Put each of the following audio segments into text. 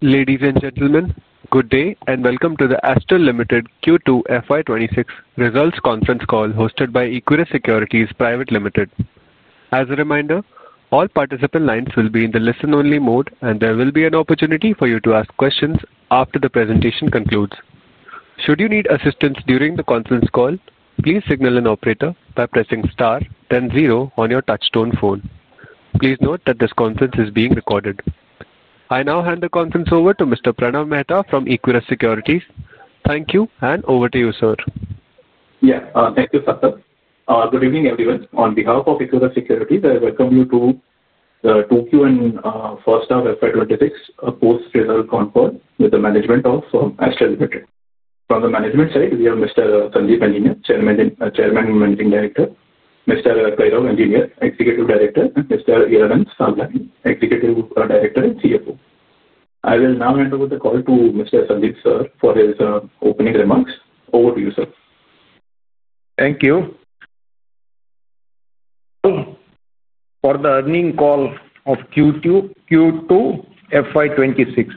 Ladies and gentlemen, good day and welcome to the Astral Limited Q2 FY2026 results conference call hosted by Equirus Securities Private Limited. As a reminder, all participant lines will be in the listen-only mode, and there will be an opportunity for you to ask questions after the presentation concludes. Should you need assistance during the conference call, please signal an operator by pressing star then zero on your touchstone phone. Please note that this conference is being recorded. I now hand the conference over to Mr. Pranav Mehta from Equirus Securities. Thank you, and over to you, sir. Yeah, thank you, Sathar. Good evening, everyone. On behalf of Equirus Securities, I welcome you to the 2Q and first half of FY2026 post-result conference with the management of Astral Limited. From the management side, we have Mr. Sandeep Engineer, Chairman and Managing Director; Mr. Kairav Engineer, Executive Director; and Mr. Hiranand Savlani, Executive Director and CFO. I will now hand over the call to Mr. Sandeep, sir, for his opening remarks. Over to you, sir. Thank you. For the earnings call of Q2 FY2026.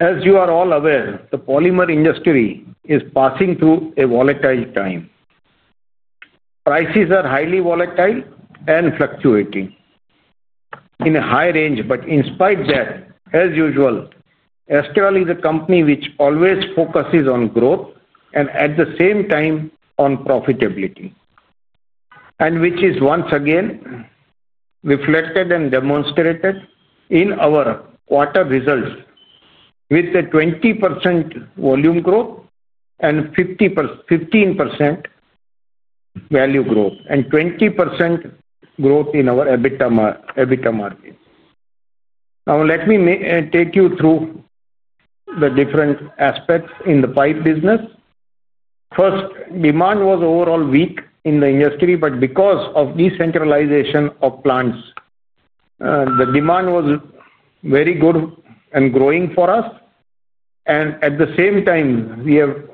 As you are all aware, the polymer industry is passing through a volatile time. Prices are highly volatile and fluctuating in a high range, but in spite of that, as usual, Astral is a company which always focuses on growth and at the same time on profitability, which is once again reflected and demonstrated in our quarter results with a 20% volume growth and 15% value growth, and 20% growth in our EBITDA margin. Now, let me take you through the different aspects in the pipe business. First, demand was overall weak in the industry, but because of decentralization of plants, the demand was very good and growing for us. At the same time, we have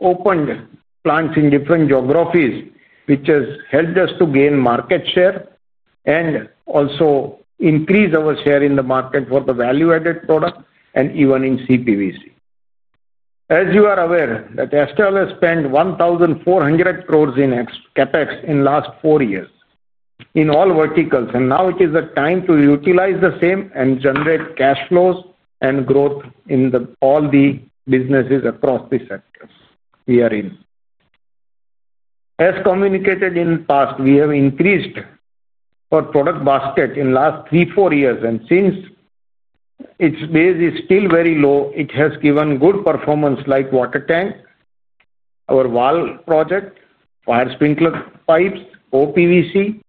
opened plants in different geographies, which has helped us to gain market share and also increase our share in the market for the value-added product and even in CPVC. As you are aware, Astral has spent 1,400 crore in CapEx in the last four years in all verticals, and now it is the time to utilize the same and generate cash flows and growth in all the businesses across the sectors we are in. As communicated in the past, we have increased our product basket in the last three, four years, and since its base is still very low, it has given good performance like water tank, our valve project, fire sprinkler pipes, OPVC,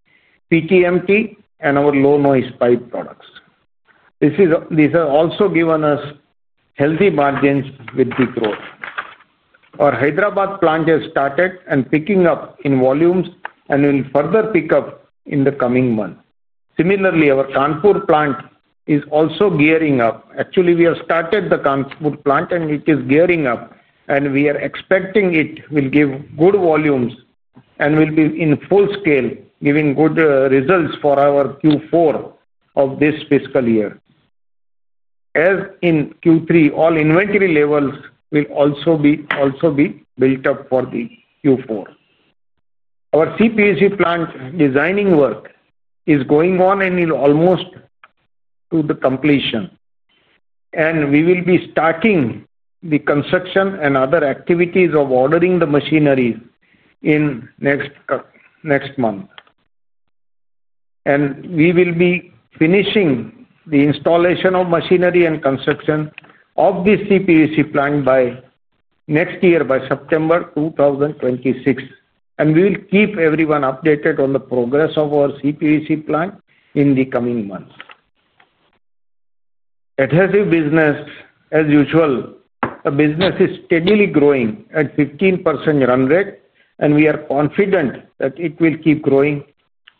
PTMT, and our low-noise pipe products. This has also given us healthy margins with the growth. Our Hyderabad plant has started and is picking up in volumes and will further pick up in the coming months. Similarly, our Kanpur plant is also gearing up. Actually, we have started the Kanpur plant, and it is gearing up, and we are expecting it will give good volumes and will be in full scale, giving good results for our Q4 of this fiscal year. As in Q3, all inventory levels will also be built up for the Q4. Our CPVC plant designing work is going on and is almost to completion. We will be starting the construction and other activities of ordering the machinery in next month. We will be finishing the installation of machinery and construction of the CPVC plant by next year, by September 2026. We will keep everyone updated on the progress of our CPVC plant in the coming months. At adhesives business, as usual, the business is steadily growing at 15% run rate, and we are confident that it will keep growing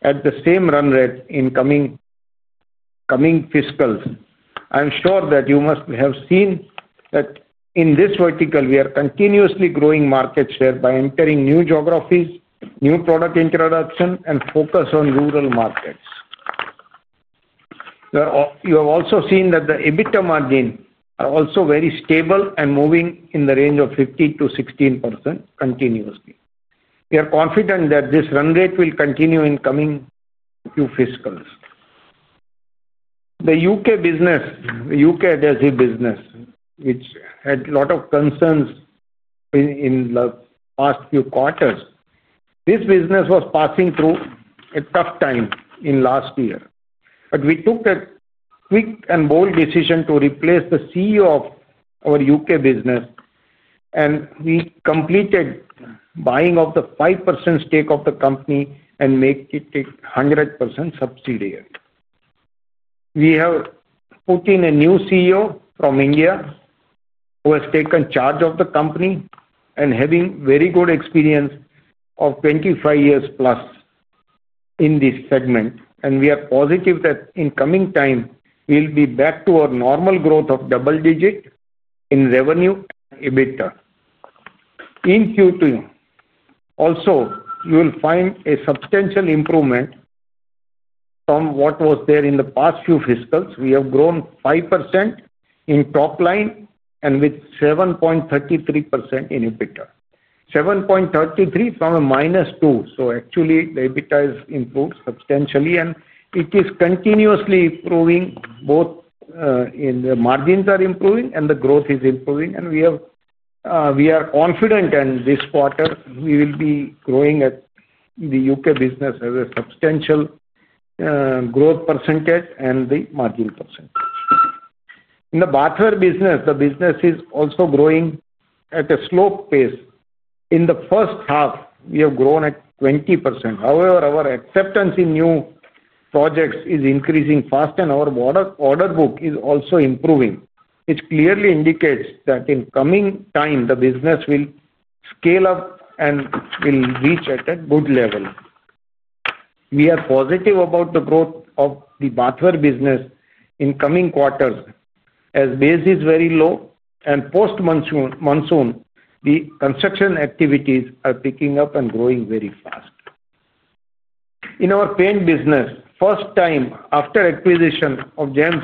at the same run rate in coming fiscals. I'm sure that you must have seen that in this vertical, we are continuously growing market share by entering new geographies, new product introduction, and focus on rural markets. You have also seen that the EBITDA margins are also very stable and moving in the range of 15%-16% continuously. We are confident that this run rate will continue in coming Q fiscals. The U.K. business. The U.K. adhesives business, which had a lot of concerns in the past few quarters, this business was passing through a tough time in last year. We took a quick and bold decision to replace the CEO of our U.K. business. We completed buying of the 5% stake of the company and made it a 100% subsidiary. We have put in a new CEO from India who has taken charge of the company and has very good experience of 25+ years in this segment. We are positive that in coming time, we'll be back to our normal growth of double digit in revenue and EBITDA. In Q2, you will also find a substantial improvement from what was there in the past few fiscals. We have grown 5% in top line and with 7.33% in EBITDA. 7.33% from a -2%. Actually, the EBITDA has improved substantially, and it is continuously improving. Both the margins are improving and the growth is improving. We are confident that this quarter, we will be growing at the U.K. business as a substantial growth percentage and the margin percentage. In the bathware business, the business is also growing at a slow pace. In the first half, we have grown at 20%. However, our acceptance in new projects is increasing fast, and our order book is also improving. It clearly indicates that in coming time, the business will scale up and will reach at a good level. We are positive about the growth of the bathware business in coming quarters as base is very low and post monsoon, the construction activities are picking up and growing very fast. In our paint business, first time after acquisition of Gem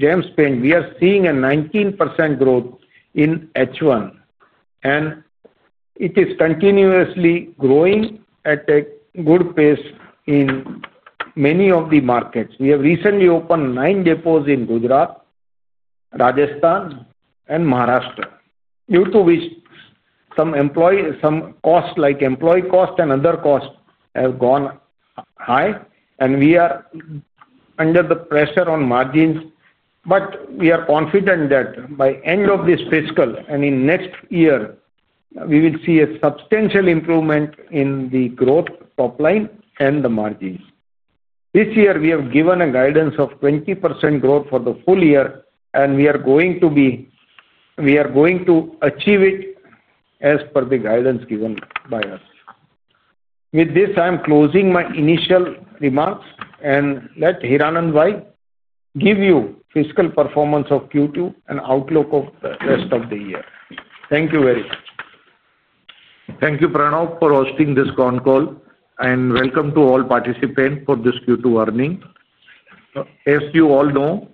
Paints, we are seeing a 19% growth in H1. It is continuously growing at a good pace in many of the markets. We have recently opened nine depots in Gujarat, Rajasthan, and Maharashtra. Due to which, some costs like employee cost and other costs have gone high, and we are. Under the pressure on margins. We are confident that by end of this fiscal and in next year, we will see a substantial improvement in the growth top line and the margins. This year, we have given a guidance of 20% growth for the full year, and we are going to be. We are going to achieve it as per the guidance given by us. With this, I'm closing my initial remarks and let Hiranand give you fiscal performance of Q2 and outlook of the rest of the year. Thank you very much. Thank you, Pranav, for hosting this phone call, and welcome to all participants for this Q2 earning. As you all know,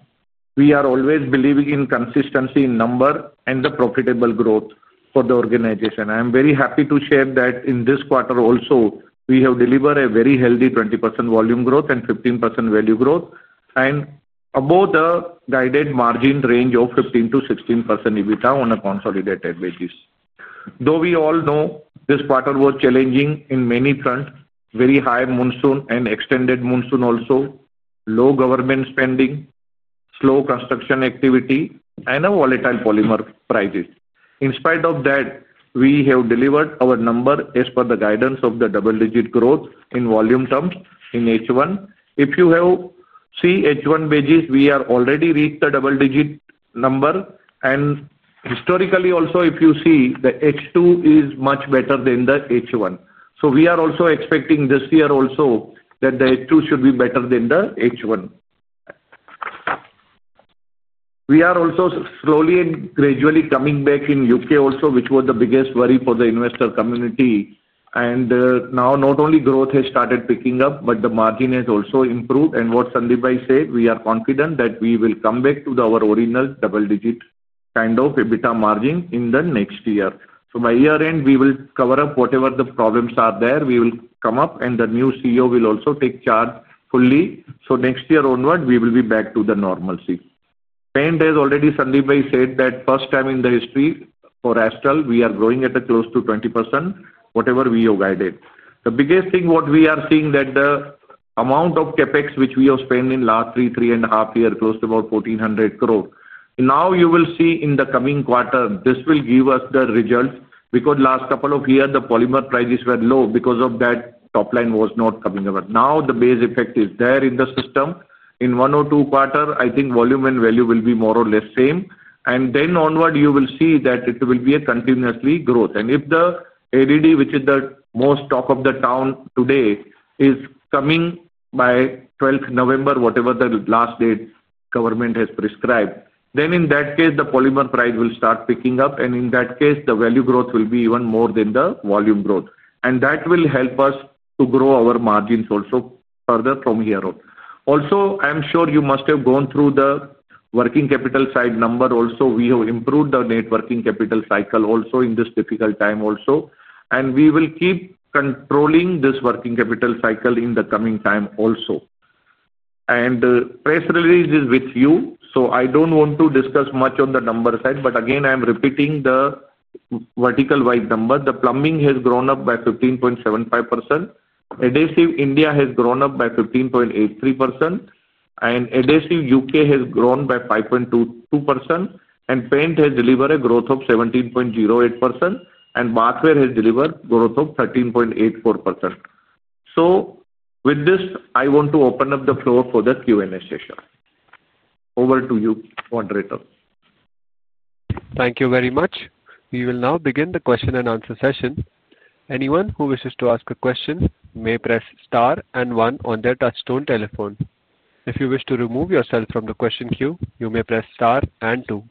we are always believing in consistency in number and the profitable growth for the organization. I am very happy to share that in this quarter also, we have delivered a very healthy 20% volume growth and 15% value growth, and above the guided margin range of 15%-16% EBITDA on a consolidated basis. Though we all know this quarter was challenging in many fronts, very high monsoon and extended monsoon also, low government spending, slow construction activity, and volatile polymer prices. In spite of that, we have delivered our number as per the guidance of the double digit growth in volume terms in H1. If you have seen H1 basis, we have already reached the double digit number. Historically also, if you see, the H2 is much better than the H1. We are also expecting this year also that the H2 should be better than the H1. We are also slowly and gradually coming back in U.K. also, which was the biggest worry for the investor community. Now not only growth has started picking up, but the margin has also improved. What Sandeep and I say, we are confident that we will come back to our original double-digit kind of EBITDA margin in the next year. By year end, we will cover up whatever the problems are there. We will come up, and the new CEO will also take charge fully. Next year onward, we will be back to the normalcy. Paint has already, Sandeep and I said, that first time in the history for Astral, we are growing at close to 20%, whatever we have guided. The biggest thing what we are seeing that the amount of CapEx which we have spent in the last three, three and a half years, close to about 1,400 crore. Now you will see in the coming quarter, this will give us the results because last couple of years, the polymer prices were low because of that top line was not coming up. Now the base effect is there in the system. In one or two quarters, I think volume and value will be more or less same. After that, you will see that it will be a continuously growth. If the ADD, which is the most talk of the town today, is coming by 12th November, whatever the last date government has prescribed, in that case, the polymer price will start picking up. In that case, the value growth will be even more than the volume growth. That will help us to grow our margins also further from here on. I am sure you must have gone through the working capital side number also. We have improved the net working capital cycle also in this difficult time also. We will keep controlling this working capital cycle in the coming time also. The press release is with you. I do not want to discuss much on the number side. Again, I am repeating the vertical-wide number. The plumbing has grown up by 15.75%. Adhesive India has grown up by 15.83%. Adhesive U.K. has grown by 5.22%. Paint has delivered a growth of 17.08%. Bathware has delivered growth of 13.84%. With this, I want to open up the floor for the Q&A session. Over to you, moderator. Thank you very much. We will now begin the question and answer session. Anyone who wishes to ask a question may press star and one on their touchstone telephone. If you wish to remove yourself from the question queue, you may press star and two.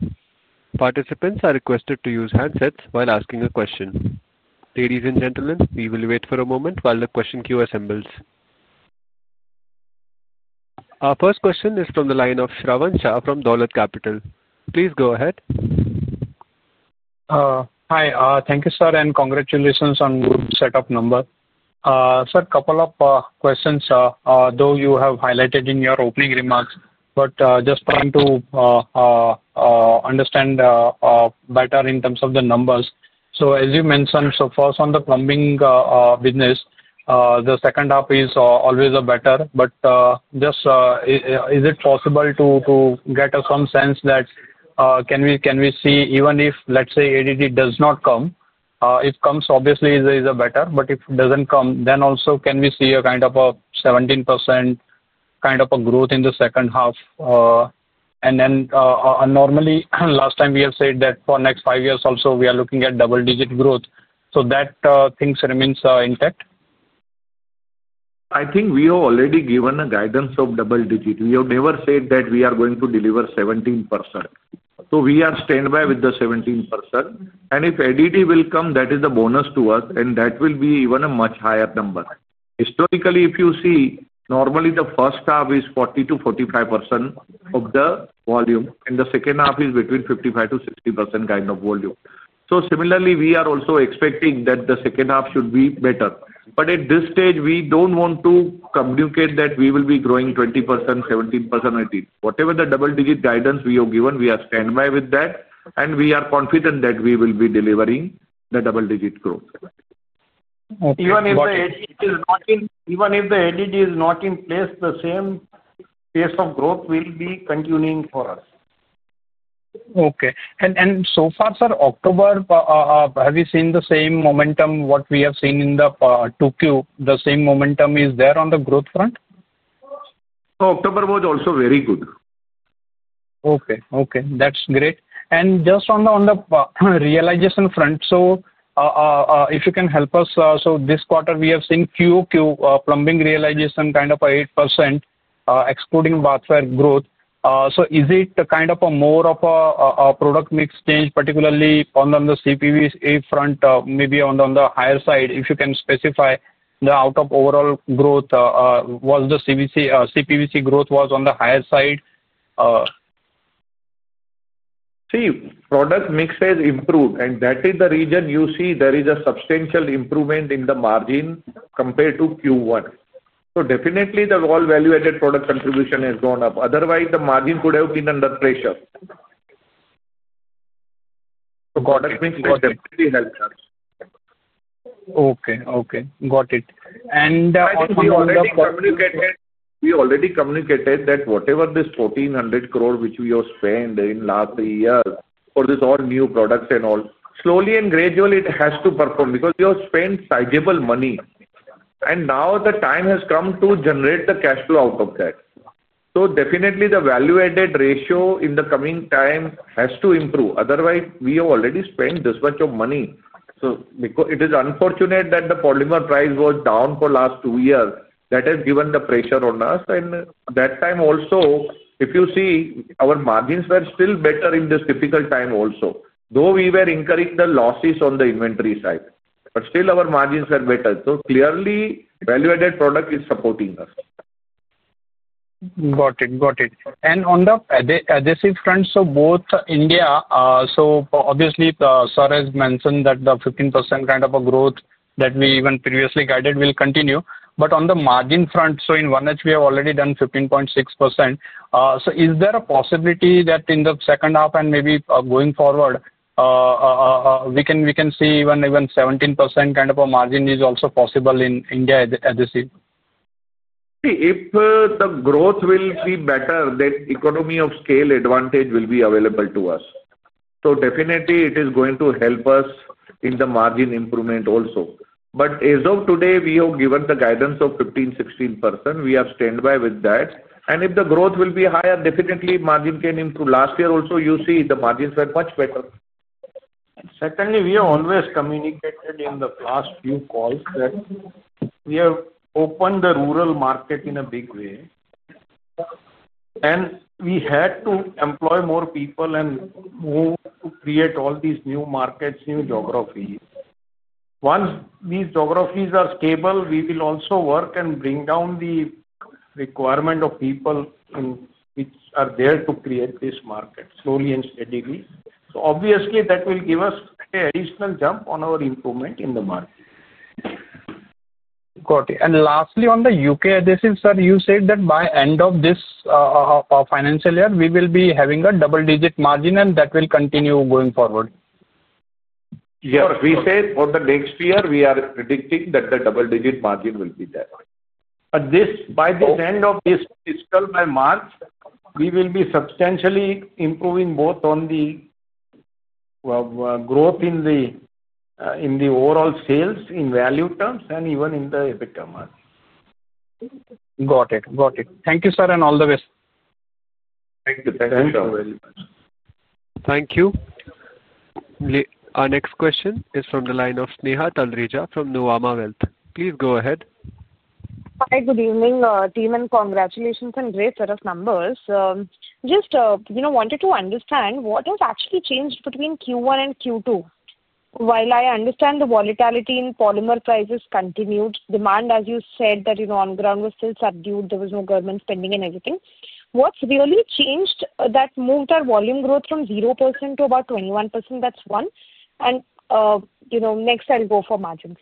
Participants are requested to use handsets while asking a question. Ladies and gentlemen, we will wait for a moment while the question queue assembles. Our first question is from the line of Shravan Shah from Dholat Capital. Please go ahead. Hi. Thank you, sir. And congratulations on good setup number. Sir, a couple of questions, though you have highlighted in your opening remarks, but just trying to understand better in terms of the numbers. As you mentioned, so far on the plumbing business, the second half is always better. Just, is it possible to get some sense that can we see even if, let's say, ADD does not come? If it comes, obviously, it is better. If it does not come, then also can we see a kind of a 17% kind of a growth in the second half? Normally, last time we have said that for next five years also, we are looking at double digit growth. That thing remains intact. I think we have already given a guidance of double digit. We have never said that we are going to deliver 17%. We are standby with the 17%. If ADD will come, that is a bonus to us, and that will be even a much higher number. Historically, if you see, normally the first half is 40%-45% of the volume, and the second half is between 55%-60% kind of volume. Similarly, we are also expecting that the second half should be better. At this stage, we do not want to communicate that we will be growing 20%, 17%, 18%. Whatever the double digit guidance we have given, we are standby with that. We are confident that we will be delivering the double digit growth. Even if the ADD is not in place, the same pace of growth will be continuing for us. Okay. And so far, sir, October, have you seen the same momentum what we have seen in the 2Q? The same momentum is there on the growth front? October was also very good. Okay. Okay. That's great. Just on the realization front, if you can help us, this quarter we have seen QQ plumbing realization kind of 8%, excluding bathware growth. Is it kind of more of a product mix change, particularly on the CPVC front, maybe on the higher side? If you can specify, out of overall growth, was the CPVC growth on the higher side? See, product mix has improved. That is the reason you see there is a substantial improvement in the margin compared to Q1. Definitely, the all value-added product contribution has gone up. Otherwise, the margin could have been under pressure. Okay. Okay. Got it. We already communicated that whatever this 1,400 crore which we have spent in the last three years for these all new products and all, slowly and gradually, it has to perform because we have spent sizable money. Now the time has come to generate the cash flow out of that. Definitely, the value-added ratio in the coming time has to improve. Otherwise, we have already spent this much of money. It is unfortunate that the polymer price was down for the last two years. That has given the pressure on us. That time also, if you see, our margins were still better in this difficult time also, though we were incurring the losses on the inventory side. Still, our margins were better. Clearly, value-added product is supporting us. Got it. Got it. And on the adhesive front, so both India, so obviously, sir has mentioned that the 15% kind of a growth that we even previously guided will continue. On the margin front, in one H, we have already done 15.6%. Is there a possibility that in the second half and maybe going forward, we can see even 17% kind of a margin is also possible in India adhesive? See, if the growth will be better, then economy of scale advantage will be available to us. Definitely, it is going to help us in the margin improvement also. As of today, we have given the guidance of 15%-16%. We have standby with that. If the growth will be higher, definitely margin can improve. Last year also, you see, the margins were much better. Secondly, we have always communicated in the past few calls that we have opened the rural market in a big way. We had to employ more people and move to create all these new markets, new geographies. Once these geographies are stable, we will also work and bring down the requirement of people which are there to create this market slowly and steadily. Obviously, that will give us an additional jump on our improvement in the market. Got it. Lastly, on the U.K. adhesive, sir, you said that by end of this financial year, we will be having a double digit margin, and that will continue going forward. Yes. We said for the next year, we are predicting that the double digit margin will be there. By the end of this fiscal by March, we will be substantially improving both on the growth in the overall sales in value terms and even in the EBITDA margin. Got it. Got it. Thank you, sir, and all the best. Thank you. Thank you very much. Thank you. Our next question is from the line of Sneha Talreja from Nuvama Wealth. Please go ahead. Hi, good evening, team, and congratulations and great set of numbers. Just wanted to understand what has actually changed between Q1 and Q2. While I understand the volatility in polymer prices continued, demand, as you said, that on the ground was still subdued, there was no government spending and everything. What has really changed that moved our volume growth from 0% to about 21%? That is one. Next, I will go for margins.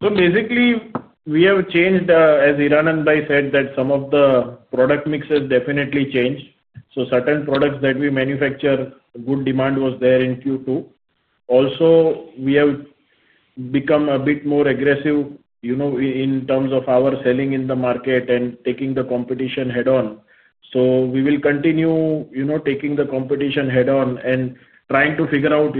Basically, we have changed, as Hiranand and I said, that some of the product mixes definitely changed. Certain products that we manufacture, good demand was there in Q2. Also, we have become a bit more aggressive in terms of our selling in the market and taking the competition head-on. We will continue taking the competition head-on and trying to figure out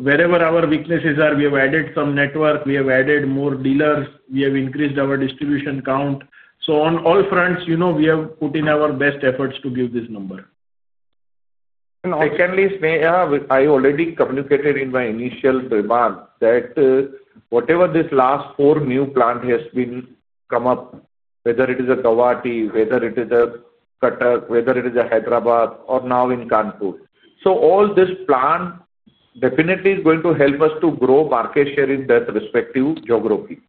where our weaknesses are. We have added some network, we have added more dealers, we have increased our distribution count. On all fronts, we have put in our best efforts to give this number. Secondly, Sneha, I already communicated in my initial remark that whatever this last four new plant has been come up, whether it is Guwahati, whether it is Cuttack, whether it is Hyderabad, or now in Kanpur. All this plant. Definitely is going to help us to grow market share in that respective geography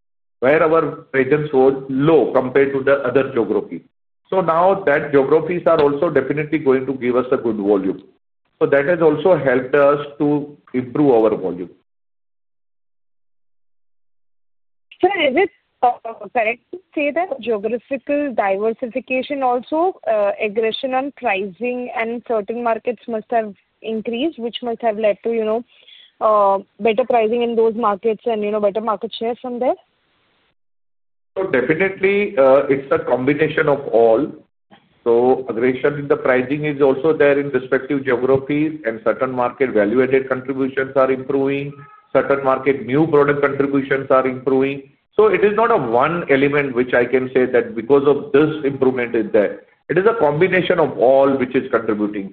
where our presence was low compared to the other geography. Now that geographies are also definitely going to give us a good volume. That has also helped us to improve our volume. Sir, is it correct to say that geographical diversification, also aggression on pricing in certain markets, must have increased, which must have led to better pricing in those markets and better market share from there? Definitely, it's a combination of all. Aggression in the pricing is also there in respective geographies, and certain market value-added contributions are improving. Certain market new product contributions are improving. It is not one element which I can say that because of this improvement is there. It is a combination of all which is contributing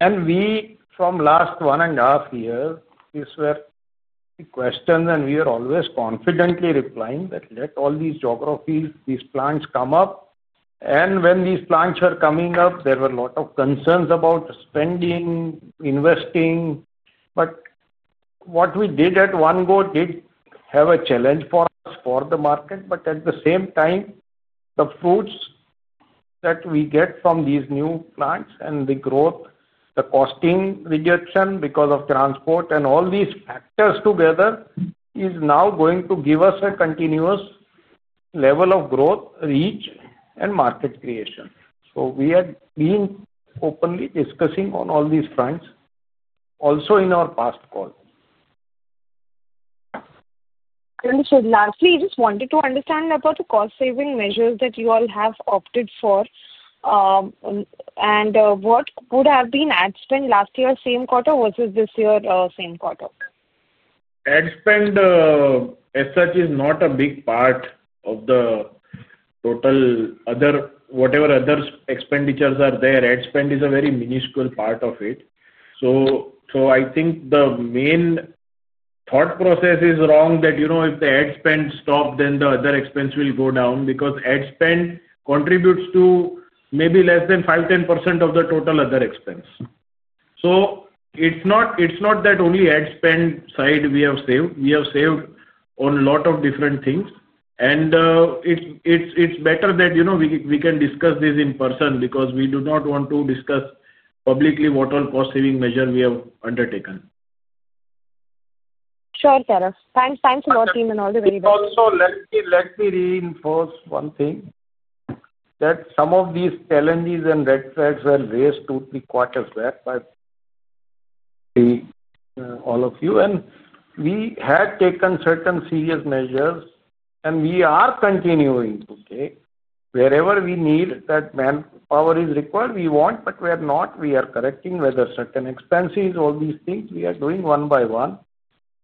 to us. We, from the last one and a half years, these were the questions, and we are always confidently replying that let all these geographies, these plants come up. When these plants were coming up, there were a lot of concerns about spending, investing. What we did at one go did have a challenge for us for the market. At the same time, the fruits. That we get from these new plants and the growth, the costing reduction because of transport and all these factors together is now going to give us a continuous level of growth, reach, and market creation. We have been openly discussing on all these fronts, also in our past call. Lastly, I just wanted to understand about the cost-saving measures that you all have opted for. What would have been ad spend last year, same quarter versus this year, same quarter? Ad spend as such is not a big part of the total whatever other expenditures are there. Ad spend is a very minuscule part of it. I think the main thought process is wrong that if the ad spend stops, then the other expense will go down because ad spend contributes to maybe less than 5%-10% of the total other expense. It is not that only ad spend side we have saved. We have saved on a lot of different things. It is better that we can discuss this in person because we do not want to discuss publicly what all cost-saving measures we have undertaken. Sure, sir. Thanks a lot, team, and all the very best. Also, let me reinforce one thing. That some of these challenges and red flags were raised two to three quarters back by all of you. We had taken certain serious measures, and we are continuing to take. Wherever we need that manpower is required, we want, but we are not. We are correcting whether certain expenses, all these things, we are doing one by one.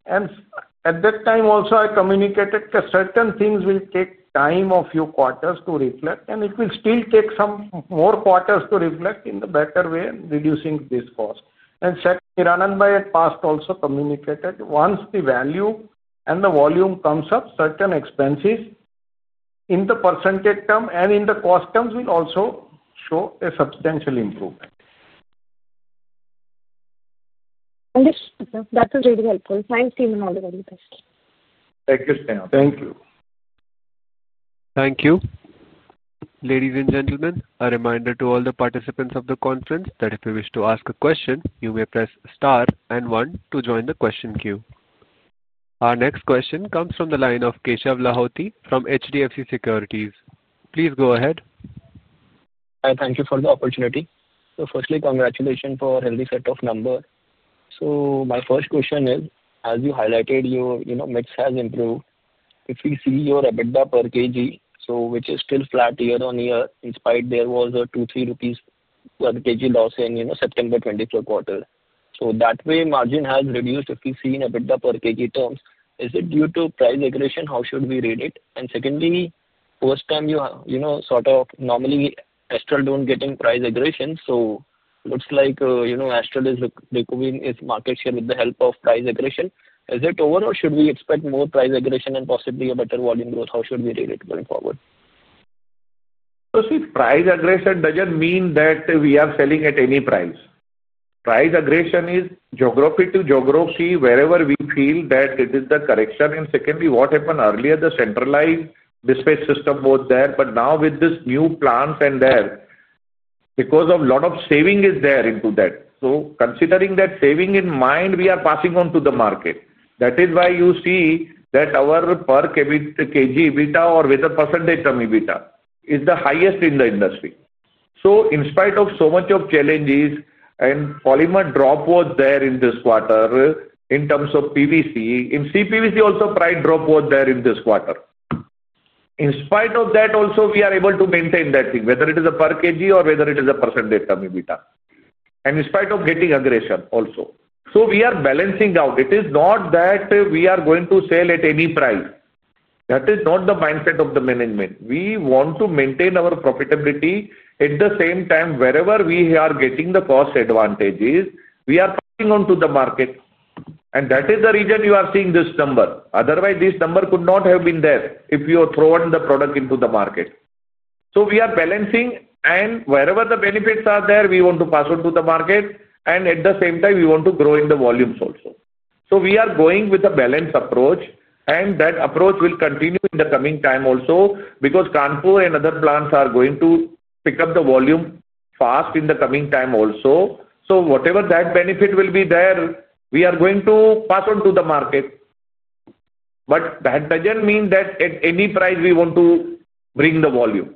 At that time also, I communicated that certain things will take time of a few quarters to reflect, and it will still take some more quarters to reflect in the better way, reducing this cost. Hiranand had past also communicated once the value and the volume comes up, certain expenses in the percentage term and in the cost terms will also show a substantial improvement. That was really helpful. Thanks, team, and all the very best. Thank you, Sneha. Thank you. Thank you. Ladies and gentlemen, a reminder to all the participants of the conference that if you wish to ask a question, you may press star and one to join the question queue. Our next question comes from the line of Keshav Lahoti from HDFC Securities. Please go ahead. Thank you for the opportunity. Firstly, congratulations for a healthy set of numbers. My first question is, as you highlighted, your mix has improved. If we see your EBITDA per kg, which is still flat year on year, in spite there was a 2- 3 rupees per kg loss in September 2024 quarter. That way, margin has reduced if we see in EBITDA per kg terms. Is it due to price aggression? How should we rate it? Secondly, first time you sort of, normally Astral does not get in price aggression. It looks like Astral is recouping its market share with the help of price aggression. Is it over, or should we expect more price aggression and possibly a better volume growth? How should we rate it going forward? Firstly, price aggression doesn't mean that we are selling at any price. Price aggression is geography to geography wherever we feel that it is the correction. Secondly, what happened earlier, the centralized dispatch system was there. Now with these new plants and there, because a lot of saving is there into that. Considering that saving in mind, we are passing on to the market. That is why you see that our per kg EBITDA or with a percentage term EBITDA is the highest in the industry. In spite of so much of challenges and polymer drop was there in this quarter in terms of PVC, in CPVC, also price drop was there in this quarter. In spite of that, also we are able to maintain that thing, whether it is a per kg or whether it is a percentage term EBITDA. In spite of getting aggression also, we are balancing out. It is not that we are going to sell at any price. That is not the mindset of the management. We want to maintain our profitability. At the same time, wherever we are getting the cost advantages, we are passing on to the market. That is the reason you are seeing this number. Otherwise, this number could not have been there if you throw the product into the market. We are balancing, and wherever the benefits are there, we want to pass on to the market. At the same time, we want to grow in the volumes also. We are going with a balanced approach, and that approach will continue in the coming time also because Kanpur and other plants are going to pick up the volume fast in the coming time also. Whatever that benefit will be there, we are going to pass on to the market. That does not mean that at any price we want to bring the volume.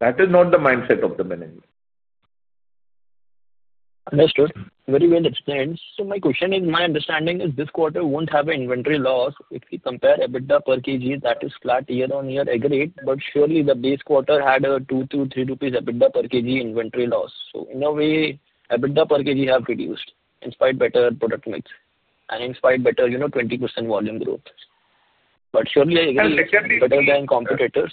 That is not the mindset of the management. Understood. Very well explained. So my question is, my understanding is this quarter will not have an inventory loss. If we compare EBITDA per kg, that is flat year on year, agreed. But surely the base quarter had a 2-3 rupees EBITDA per kg inventory loss. So in a way, EBITDA per kg has reduced in spite of better product mix and in spite of better 20% volume growth. But surely better than competitors.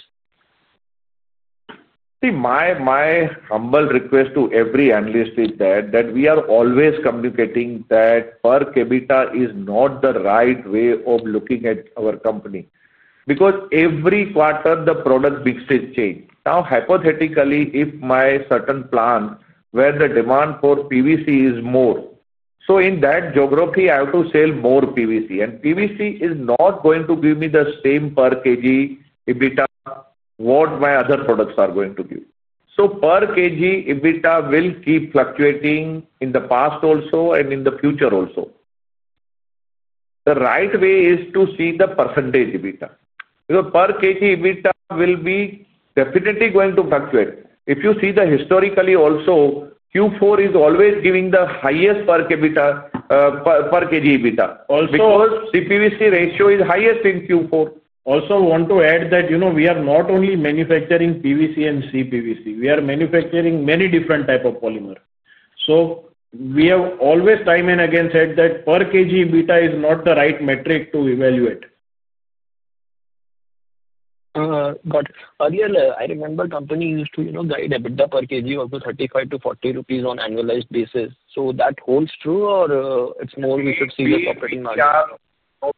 See, my humble request to every analyst is that we are always communicating that per capita is not the right way of looking at our company. Because every quarter, the product mixes change. Now, hypothetically, if my certain plant where the demand for PVC is more, so in that geography, I have to sell more PVC. And PVC is not going to give me the same per kg EBITDA what my other products are going to give. So per kg EBITDA will keep fluctuating in the past also and in the future also. The right way is to see the percentage EBITDA. Because per kg EBITDA will be definitely going to fluctuate. If you see the historically also, Q4 is always giving the highest per kg EBITDA. Because CPVC ratio is highest in Q4. Also want to add that we are not only manufacturing PVC and CPVC. We are manufacturing many different types of polymer. So we have always time and again said that per kg EBITDA is not the right metric to evaluate. Got it. Earlier, I remember company used to guide EBITDA per kg also 35-40 rupees on annualized basis. So that holds true or it's more we should see the operating margin?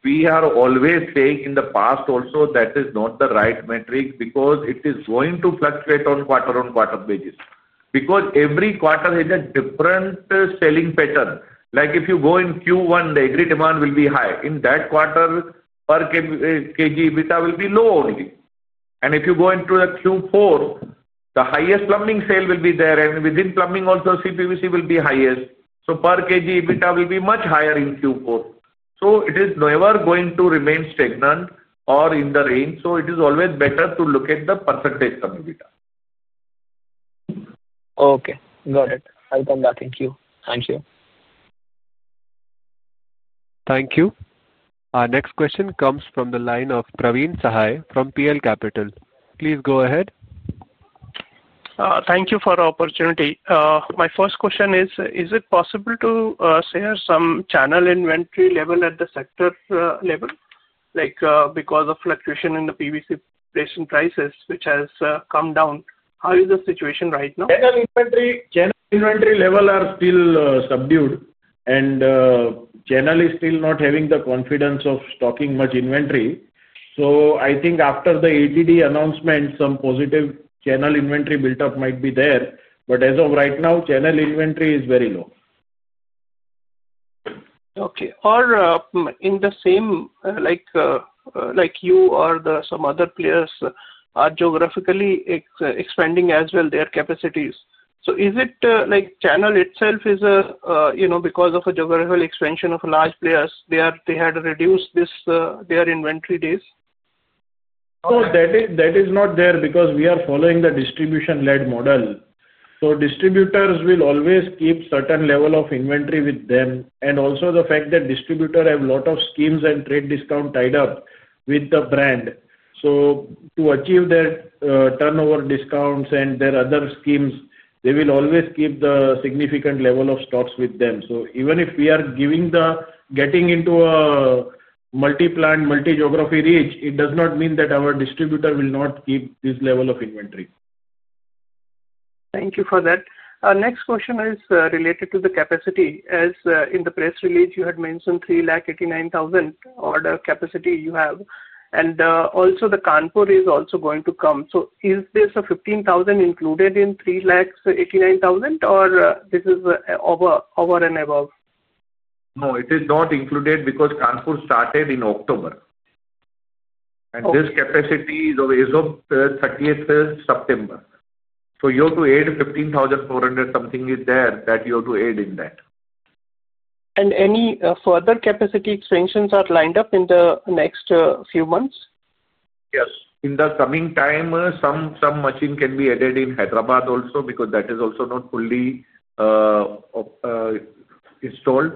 We are always saying in the past also that is not the right metric because it is going to fluctuate on quarter-on-quarter basis. Because every quarter has a different selling pattern. Like if you go in Q1, the agreed demand will be high. In that quarter, per kg EBITDA will be low only. If you go into the Q4, the highest plumbing sale will be there. Within plumbing also, CPVC will be highest. Per kg EBITDA will be much higher in Q4. It is never going to remain stagnant or in the range. It is always better to look at the percentage term EBITDA. Okay. Got it. Thank you. Thank you. Thank you. Our next question comes from the line of Praveen Sahay from PL Capital. Please go ahead. Thank you for the opportunity. My first question is, is it possible to share some channel inventory level at the sector level? Because of fluctuation in the PVC prices, which has come down, how is the situation right now? Channel inventory levels are still subdued. Channel is still not having the confidence of stocking much inventory. I think after the ADD announcement, some positive channel inventory buildup might be there. As of right now, channel inventory is very low. Okay. Or in the same, like you or some other players are geographically expanding as well their capacities. Is it like channel itself is a, because of a geographical expansion of large players, they had reduced their inventory days? No, that is not there because we are following the distribution-led model. Distributors will always keep a certain level of inventory with them. Also, the fact that distributors have a lot of schemes and trade discounts tied up with the brand. To achieve their turnover discounts and their other schemes, they will always keep a significant level of stocks with them. Even if we are getting into a multi-plant, multi-geography reach, it does not mean that our distributors will not keep this level of inventory. Thank you for that. Our next question is related to the capacity. As in the press release, you had mentioned 389,000 order capacity you have. Also, the Kanpur is also going to come. Is this 15,000 included in 389,000 or is this over and above? No, it is not included because Kanpur started in October. This capacity is as of 30th September. You have to add 15,400 something is there that you have to add in that. Are any further capacity expansions lined up in the next few months? Yes. In the coming time, some machine can be added in Hyderabad also because that is also not fully installed.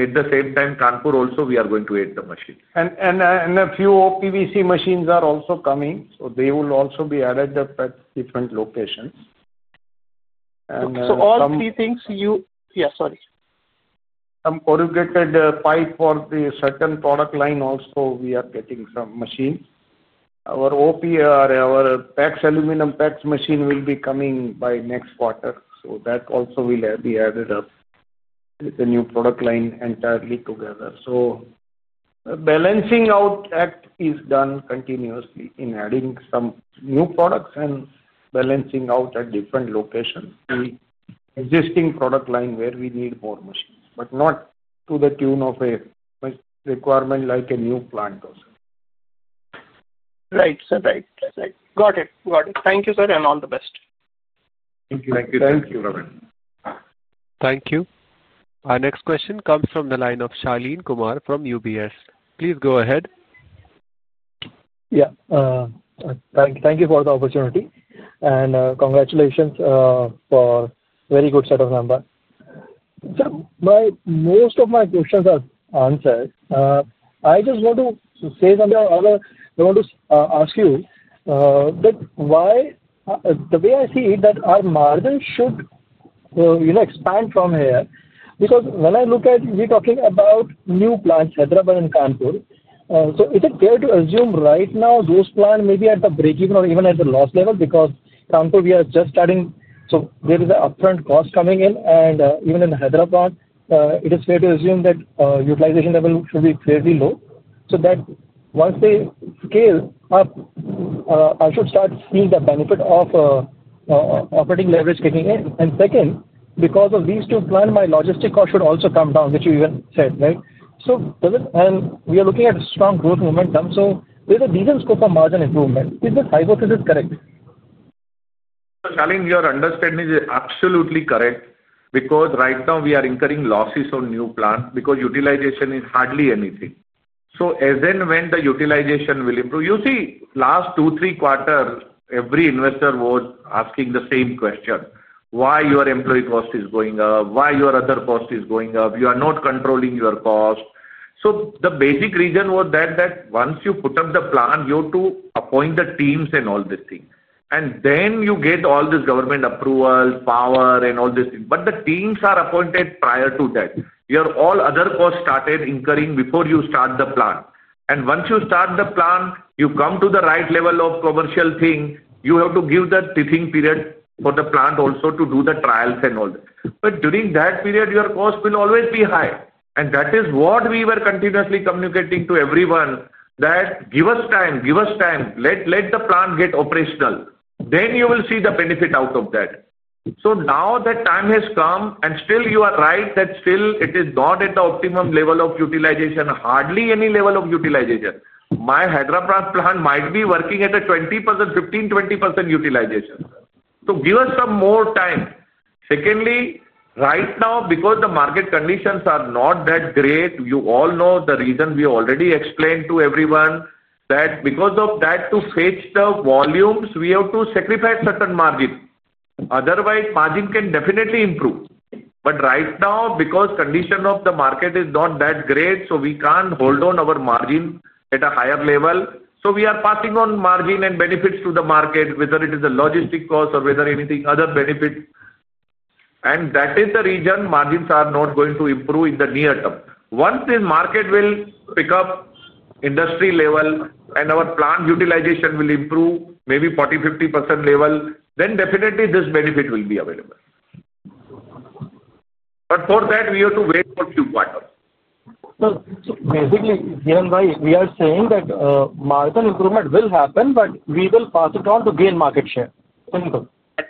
At the same time, Kanpur also, we are going to add the machine. A few PVC machines are also coming. They will also be added up at different locations. All three things you, yeah, sorry. Some corrugated pipe for the certain product line also, we are getting some machines. Our OPR, our aluminum packs machine will be coming by next quarter. That also will be added up with the new product line entirely together. Balancing out is done continuously in adding some new products and balancing out at different locations. The existing product line where we need more machines, but not to the tune of a requirement like a new plant also. Right. Got it. Thank you, sir, and all the best. Thank you. Thank you, Praveen. Thank you. Our next question comes from the line of Shaleen Kumar from UBS. Please go ahead. Yeah. Thank you for the opportunity. And congratulations for a very good set of numbers. Most of my questions are answered. I just want to say something or I want to ask you. That why the way I see it that our margin should expand from here? Because when I look at we're talking about new plants, Hyderabad and Kanpur. Is it fair to assume right now those plants may be at the break-even or even at the loss level? Because Kanpur, we are just starting. There is an upfront cost coming in. Even in Hyderabad, it is fair to assume that utilization level should be fairly low. Once they scale up, I should start seeing the benefit of operating leverage kicking in. Second, because of these two plants, my logistic cost should also come down, which you even said, right? We are looking at a strong growth momentum. There is a decent scope of margin improvement. Is this hypothesis correct? Shaleen, your understanding is absolutely correct. Because right now we are incurring losses on new plants because utilization is hardly anything. As and when the utilization will improve. You see, last two, three quarters, every investor was asking the same question. Why your employee cost is going up? Why your other cost is going up? You are not controlling your cost. The basic reason was that once you put up the plant, you have to appoint the teams and all these things. You get all this government approval, power, and all these things. The teams are appointed prior to that. All your other costs started incurring before you start the plant. Once you start the plant, you come to the right level of commercial thing, you have to give the teething period for the plant also to do the trials and all that. During that period, your cost will always be high. That is what we were continuously communicating to everyone, that give us time, give us time. Let the plant get operational. Then you will see the benefit out of that. Now that time has come, and still you are right that still it is not at the optimum level of utilization, hardly any level of utilization. My Hyderabad plant might be working at a 15%, 20% utilization. Give us some more time. Secondly, right now, because the market conditions are not that great, you all know the reason. We already explained to everyone that because of that, to fetch the volumes, we have to sacrifice certain margin. Otherwise, margin can definitely improve. Right now, because condition of the market is not that great, we cannot hold on our margin at a higher level. We are passing on margin and benefits to the market, whether it is a logistic cost or whether anything other benefit. That is the reason margins are not going to improve in the near term. Once the market will pick up industry level and our plant utilization will improve maybe 40%, 50% level, then definitely this benefit will be available. For that, we have to wait for a few quarters. Basically, Hiranand, we are saying that margin improvement will happen, but we will pass it on to gain market share. Simple. At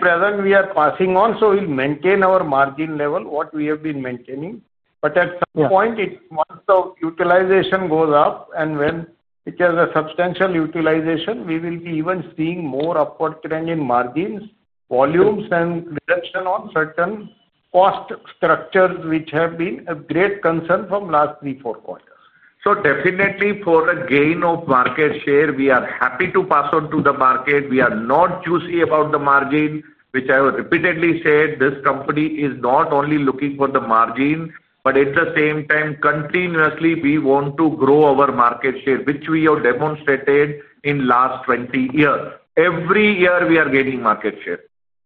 present, we are passing on. We will maintain our margin level, what we have been maintaining. At some point, once the utilization goes up and when it has a substantial utilization, we will be even seeing more upward trend in margins, volumes, and reduction on certain cost structures which have been a great concern from last three, four quarters. Definitely for the gain of market share, we are happy to pass on to the market. We are not juicy about the margin, which I have repeatedly said. This company is not only looking for the margin, but at the same time, continuously, we want to grow our market share, which we have demonstrated in the last 20 years. Every year, we are gaining market share.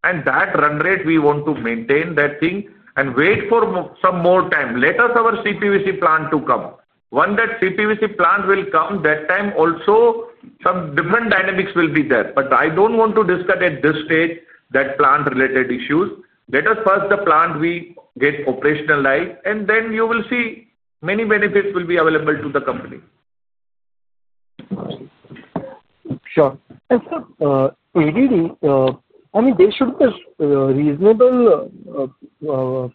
That run rate, we want to maintain that thing and wait for some more time. Let us have our CPVC plant to come. When that CPVC plant will come, that time also. Some different dynamics will be there. I do not want to discuss at this stage that plant-related issues. Let us first the plant we get operationalized, and then you will see many benefits will be available to the company. Sure. Sir, ADD, I mean, there should be a reasonable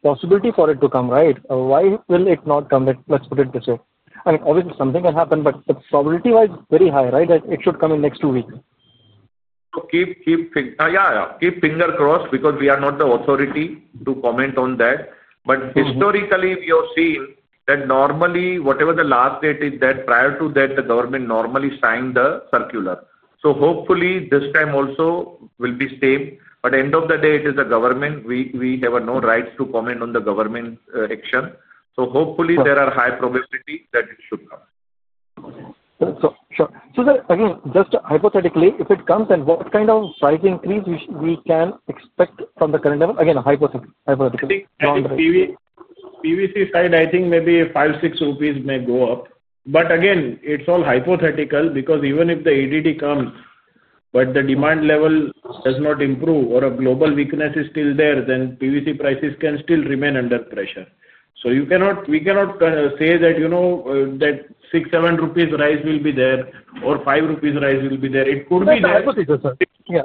possibility for it to come, right? Why will it not come? Let's put it this way. I mean, obviously, something can happen, but the probability-wise is very high, right? It should come in the next two weeks. Keep fingers crossed because we are not the authority to comment on that. Historically, we have seen that normally, whatever the last date is, prior to that, the government normally signs the circular. Hopefully, this time also will be the same. At the end of the day, it is the government. We have no rights to comment on the government action. Hopefully, there are high probabilities that it should come. Sure. So sir, again, just hypothetically, if it comes, then what kind of price increase we can expect from the current level? Again, hypothetically. PVC side, I think maybe five, six rupees may go up. Again, it is all hypothetical because even if the ADD comes, but the demand level does not improve or a global weakness is still there, then PVC prices can still remain under pressure. We cannot say that. INR 6, 7 rupees rise will be there or 5 rupees rise will be there. It could be there. Yeah, hypothetical, sir. Yeah.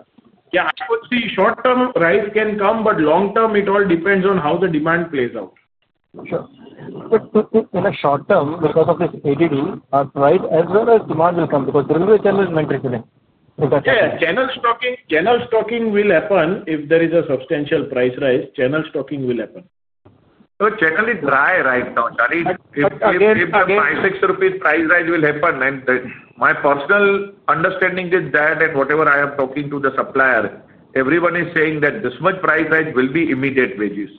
Yeah, I would say short-term rise can come, but long-term, it all depends on how the demand plays out. Sure. In the short term, because of this ADD, right, as well as demand will come because the channel is maintaining. Yeah, channel stocking will happen if there is a substantial price rise. Channel stocking will happen. Channel is dry right now. If the 5-6 rupees price rise will happen, and my personal understanding is that, and whatever I am talking to the supplier, everyone is saying that this much price rise will be immediate wages.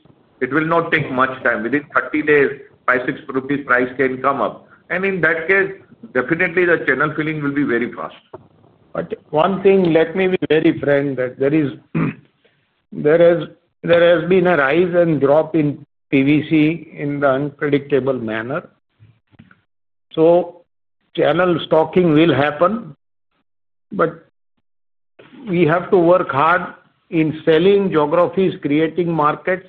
It will not take much time. Within 30 days, 5 rupees, 6 rupees price can come up. In that case, definitely the channel filling will be very fast. One thing, let me be very frank, there has been a rise and drop in PVC in an unpredictable manner. Channel stocking will happen. We have to work hard in selling geographies, creating markets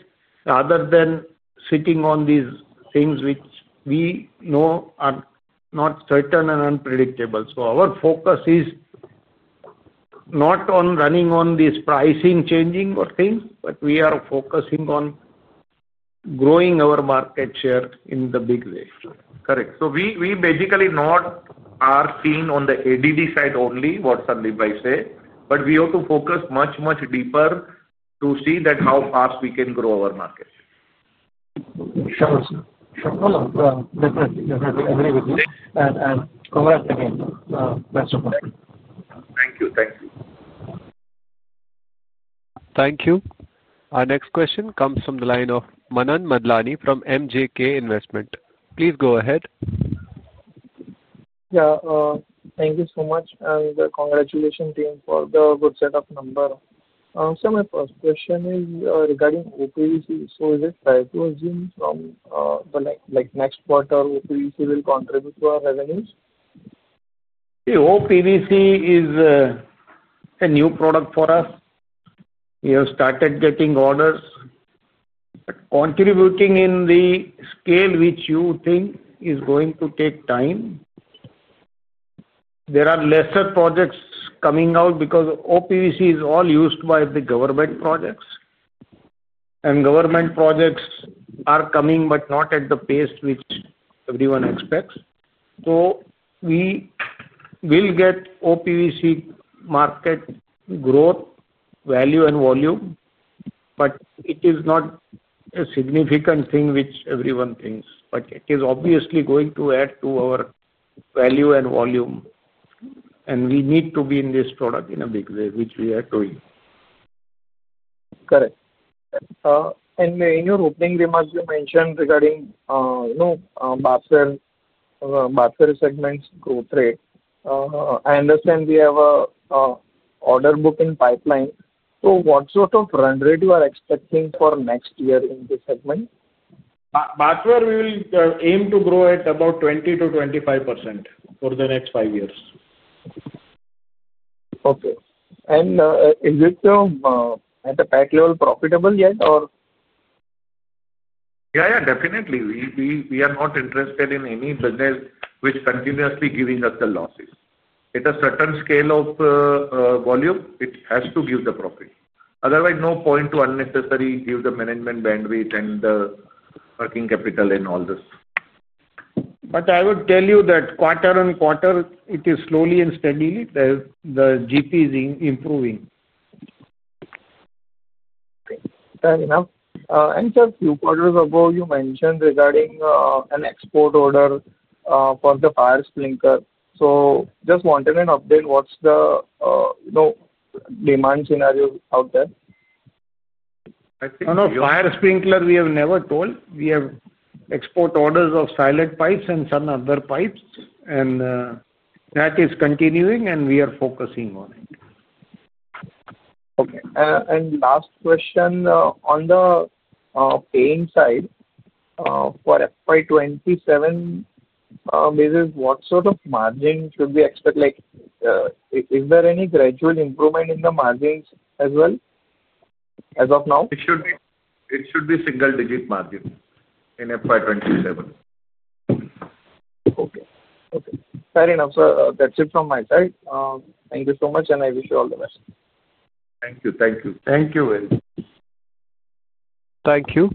rather than sitting on these things which we know are not certain and unpredictable. Our focus is. Not on running on this pricing changing or things, but we are focusing on growing our market share in a big way. Correct. So we basically not are seen on the ADD side only, what Sandeep said. But we have to focus much, much deeper to see how fast we can grow our market. Sure, sir. Sure. Definitely. Definitely agree with you. Congrats again. Best of luck. Thank you. Thank you. Thank you. Our next question comes from the line of Manan Madlani from MJK Investment. Please go ahead. Yeah. Thank you so much. Congratulations, team, for the good set of numbers. My first question is regarding OPVC. Is it fair to assume from the next quarter OPVC will contribute to our revenues? OPVC is a new product for us. We have started getting orders. Contributing in the scale which you think is going to take time. There are fewer projects coming out because OPVC is all used by the government projects. Government projects are coming, but not at the pace which everyone expects. We will get OPVC market growth, value, and volume. It is not a significant thing which everyone thinks. It is obviously going to add to our value and volume. We need to be in this product in a big way, which we are doing. Correct. In your opening remarks, you mentioned regarding bathware segment's growth rate. I understand we have a order book in pipeline. What sort of run rate are you expecting for next year in this segment? That one, we will aim to grow at about 20%-25% for the next five years. Okay. Is it at a pack level profitable yet, or? Yeah, yeah, definitely. We are not interested in any business which continuously giving us the losses. At a certain scale of volume, it has to give the profit. Otherwise, no point to unnecessarily give the management bandwidth and the working capital and all this. I would tell you that quarter on quarter, it is slowly and steadily, the GP is improving. Fair enough. Sir, a few quarters ago, you mentioned regarding an export order for the fire sprinkler. Just wanted an update, what's the demand scenario out there? No, no. Fire sprinkler, we have never told. We have export orders of silent pipes and some other pipes. That is continuing, and we are focusing on it. Okay. Last question, on the paint side. For FY2027 basis, what sort of margin should we expect? Is there any gradual improvement in the margins as well as of now? It should be single-digit margin in FY2027. Okay. Okay. Fair enough, sir. That's it from my side. Thank you so much, and I wish you all the best. Thank you. Thank you very much. Thank you.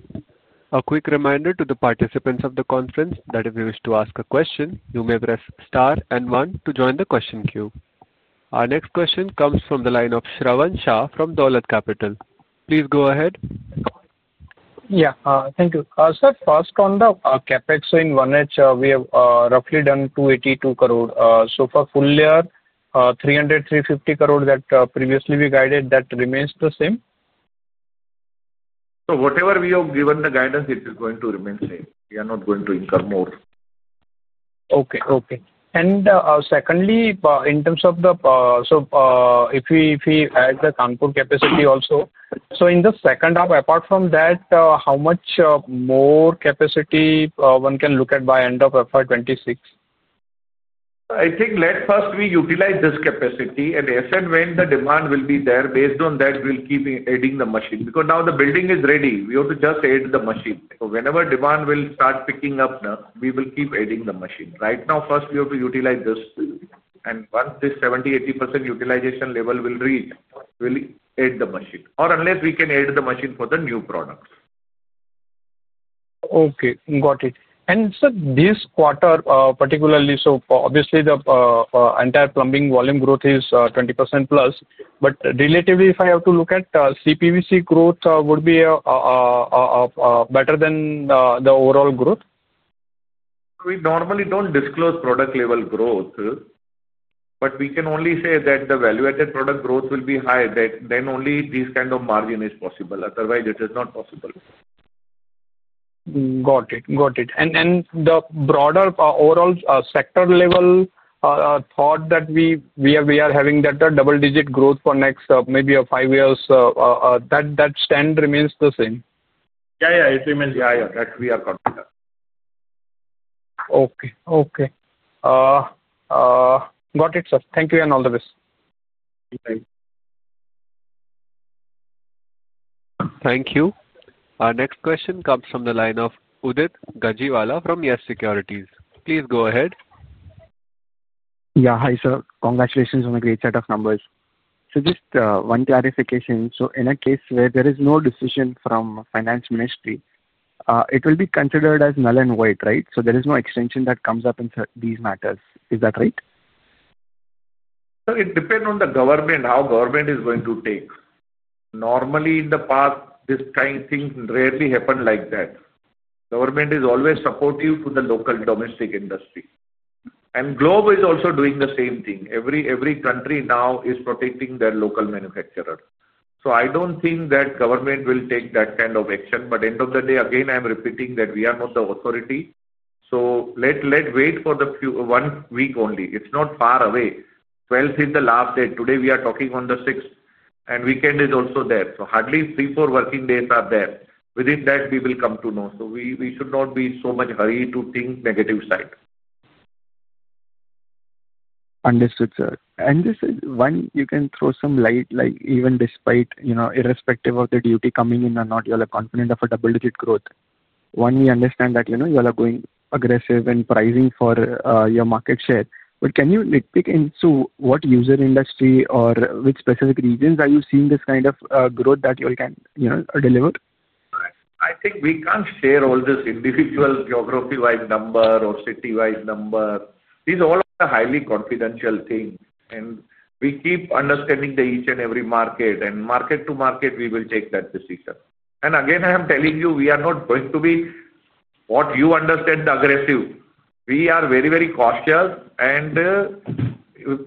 A quick reminder to the participants of the conference that if you wish to ask a question, you may press star and one to join the question queue. Our next question comes from the line of Shravan Shah from Dawlat Capital. Please go ahead. Yeah. Thank you. Sir, first on the CapEx in 1H, we have roughly done 282 crore. So for full year, 300 crore, 350 crore that previously we guided, that remains the same? Whatever we have given the guidance, it is going to remain the same. We are not going to incur more. Okay. Okay. And secondly, in terms of the, so if we add the Kanpur capacity also, in the second half, apart from that, how much more capacity one can look at by end of FY2026? I think let first we utilize this capacity. As said, when the demand will be there, based on that, we'll keep adding the machine. Because now the building is ready. We have to just add the machine. Whenever demand will start picking up, we will keep adding the machine. Right now, first we have to utilize this. Once this 70%-80% utilization level will reach, we'll add the machine. Unless we can add the machine for the new products. Okay. Got it. Sir, this quarter, particularly, so obviously, the entire plumbing volume growth is 20%+. Relatively, if I have to look at CPVC growth, would it be better than the overall growth? We normally do not disclose product level growth. But we can only say that the value-added product growth will be high. Then only this kind of margin is possible. Otherwise, it is not possible. Got it. Got it. At the broader overall sector level, the thought that we are having that double-digit growth for next maybe five years, that stand remains the same? Yeah, yeah. It remains the higher that we are talking about. Okay. Okay. Got it, sir. Thank you and all the best. Thank you. Thank you. Our next question comes from the line of Udit Gajiwala from YES Securities. Please go ahead. Yeah. Hi, sir. Congratulations on a great set of numbers. Just one clarification. In a case where there is no decision from Finance Ministry, it will be considered as null and void, right? There is no extension that comes up in these matters. Is that right? It depends on the government, how government is going to take. Normally, in the past, this kind of thing rarely happened like that. Government is always supportive to the local domestic industry. And globe is also doing the same thing. Every country now is protecting their local manufacturers. I don't think that government will take that kind of action. End of the day, again, I'm repeating that we are not the authority. Let wait for the one week only. It's not far away. The 12th is the last day. Today we are talking on the 6th. Weekend is also there. Hardly three or four working days are there. Within that, we will come to know. We should not be so much hurried to think negative side. Understood, sir. This is one, you can throw some light, even despite irrespective of the duty coming in or not, you are confident of a double-digit growth. One, we understand that you are going aggressive in pricing for your market share. Can you nitpick into what user industry or which specific regions are you seeing this kind of growth that you can deliver? I think we can't share all this individual geography-wise number or city-wise number. These are all highly confidential things. We keep understanding each and every market. Market to market, we will take that decision. I am telling you, we are not going to be, what you understand, aggressive. We are very, very cautious.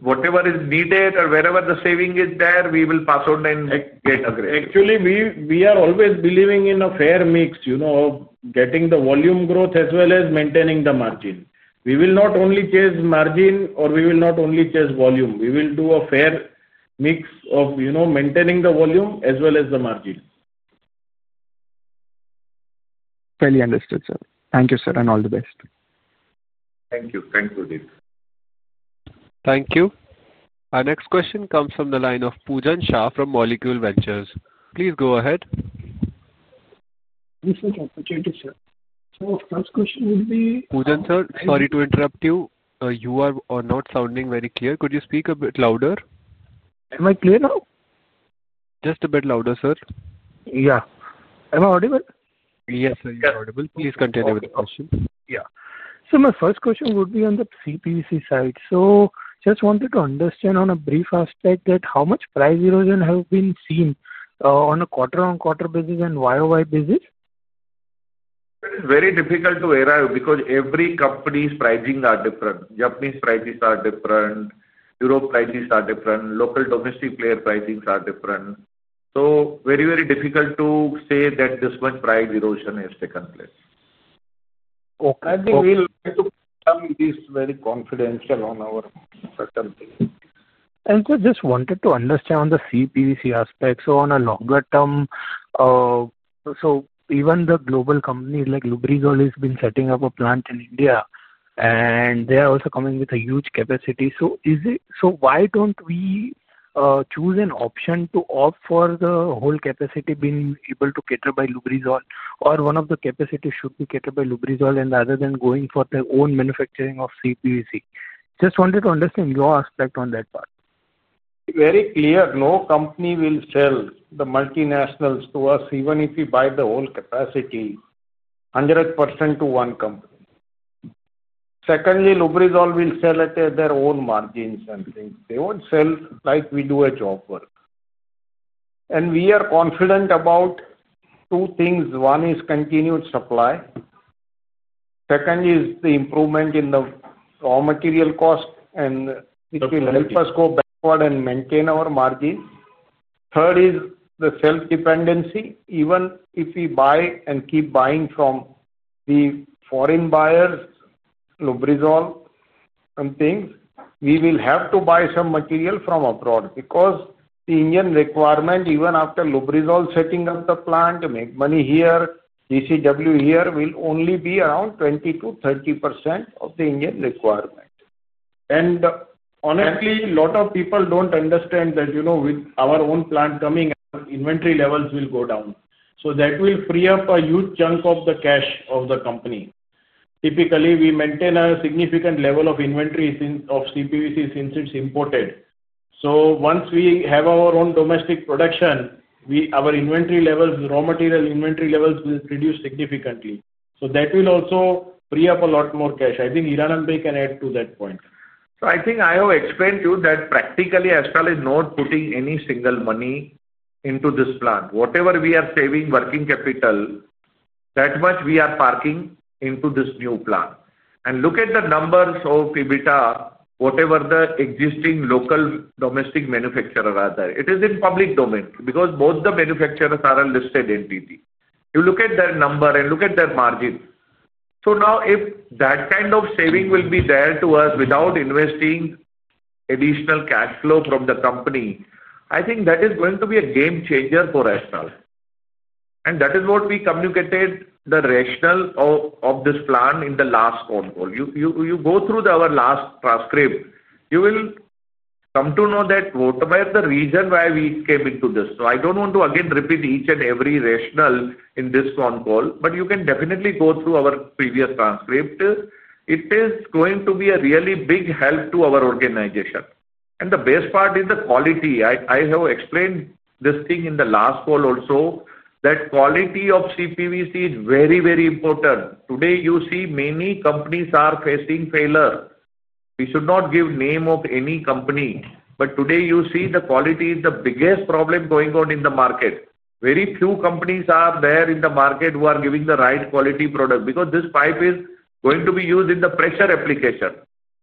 Whatever is needed or wherever the saving is there, we will pass on and get aggressive. Actually, we are always believing in a fair mix of getting the volume growth as well as maintaining the margin. We will not only chase margin or we will not only chase volume. We will do a fair mix of maintaining the volume as well as the margin. Fairly understood, sir. Thank you, sir, and all the best. Thank you. Thank you, Udit. Thank you. Our next question comes from the line of Pujan Shah from Molecule Ventures. Please go ahead. Yes, sir. Opportunity, sir. First question would be. Pujan, sir, sorry to interrupt you. You are not sounding very clear. Could you speak a bit louder? Am I clear now? Just a bit louder, sir. Yeah. Am I audible? Yes, sir, you're audible. Please continue with the question. Okay. Yeah. My first question would be on the CPVC side. Just wanted to understand on a brief aspect that how much price erosion has been seen on a quarter-on-quarter basis and YoY basis? It is very difficult to arrive because every company's pricing are different. Japanese prices are different. Europe prices are different. Local domestic player pricings are different. So very, very difficult to say that this much price erosion has taken place. Okay. We like to come with this very confidential on our certain things. Sir, just wanted to understand on the CPVC aspect. On a longer term, even the global companies like Lubrizol have been setting up a plant in India, and they are also coming with a huge capacity. Why don't we choose an option to opt for the whole capacity being able to be catered by Lubrizol, or one of the capacities should be catered by Lubrizol rather than going for their own manufacturing of CPVC? Just wanted to understand your aspect on that part. Very clear. No company will sell the multinationals to us, even if we buy the whole capacity 100% to one company. Secondly, Lubrizol will sell at their own margins and things. They won't sell like we do a job work. And we are confident about two things. One is continued supply. Second is the improvement in the raw material cost, which will help us go backward and maintain our margins. Third is the self-dependency. Even if we buy and keep buying from the foreign buyers, Lubrizol and things, we will have to buy some material from abroad because the Indian requirement, even after Lubrizol setting up the plant to make money here, DCW here, will only be around 20%-30% of the Indian requirement. And honestly, a lot of people don't understand that with our own plant coming, inventory levels will go down. That will free up a huge chunk of the cash of the company. Typically, we maintain a significant level of inventory of CPVC since it's imported. Once we have our own domestic production, our inventory levels, raw material inventory levels will reduce significantly. That will also free up a lot more cash. I think Hiranand can add to that point. I think I have explained to you that practically, Astral is not putting any single money into this plant. Whatever we are saving working capital, that much we are parking into this new plant. Look at the numbers of EBITDA, whatever the existing local domestic manufacturer are there. It is in public domain because both the manufacturers are a listed entity. You look at their number and look at their margin. If that kind of saving will be there to us without investing additional cash flow from the company, I think that is going to be a game changer for Astral. That is what we communicated, the rationale of this plan in the last phone call. You go through our last transcript, you will come to know that whatever the reason why we came into this. I do not want to again repeat each and every rationale in this phone call. You can definitely go through our previous transcript. It is going to be a really big help to our organization. The best part is the quality. I have explained this thing in the last call also, that quality of CPVC is very, very important. Today, you see many companies are facing failure. We should not give the name of any company. Today, you see the quality is the biggest problem going on in the market. Very few companies are there in the market who are giving the right quality product because this pipe is going to be used in the pressure application.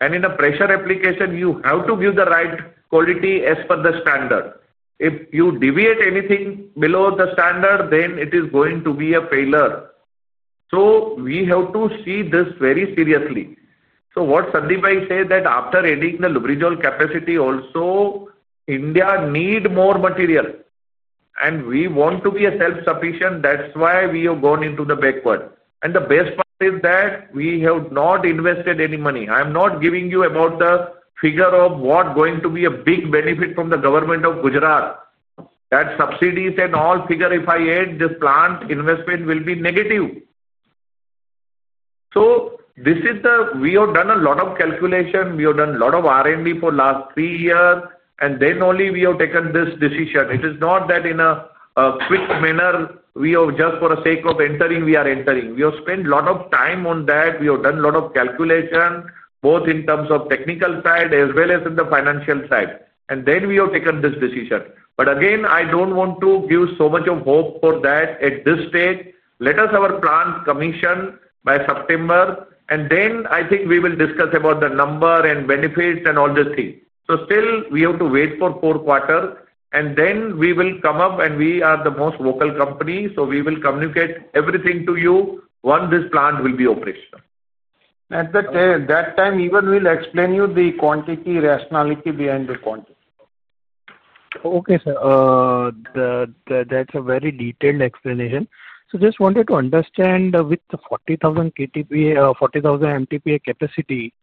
In the pressure application, you have to give the right quality as per the standard. If you deviate anything below the standard, then it is going to be a failure. We have to see this very seriously. What Sandeep said is that after adding the Lubrizol capacity also, India needs more material. We want to be self-sufficient. That is why we have gone into the backward. The best part is that we have not invested any money. I am not giving you about the figure of what is going to be a big benefit from the government of Gujarat. That subsidies and all figure, if I add this plant, investment will be negative. This is the we have done a lot of calculation. We have done a lot of R&D for the last three years. Then only we have taken this decision. It is not that in a quick manner, we have just for the sake of entering, we are entering. We have spent a lot of time on that. We have done a lot of calculation, both in terms of technical side as well as in the financial side. Then we have taken this decision. Again, I do not want to give so much hope for that at this stage. Let us have a plant commission by September. I think we will discuss about the number and benefits and all these things. Still, we have to wait for four quarters. We will come up and we are the most vocal company. We will communicate everything to you when this plant will be operational. At that time, even we will explain you the quantity rationality behind the quantity. Okay, sir. That's a very detailed explanation. Just wanted to understand with the 40,000 MTPA capacity,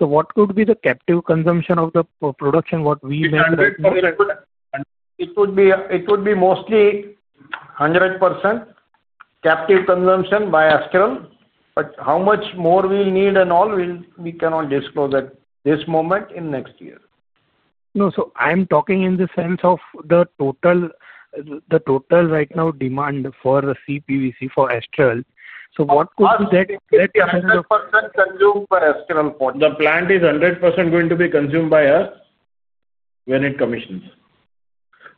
what could be the captive consumption of the production what we mentioned? It would be mostly 100% captive consumption by Astral. How much more we'll need and all, we cannot disclose at this moment in next year. No, I'm talking in the sense of the total. Right now, demand for CPVC for Astral. What could be that? 100% consumed by Astral. The plant is 100% going to be consumed by us when it commissions.